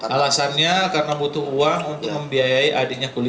alasannya karena butuh uang untuk membiayai adiknya kuliah